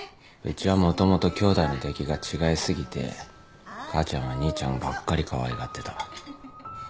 うちはもともと兄弟の出来が違い過ぎて母ちゃんは兄ちゃんばっかりかわいがってた。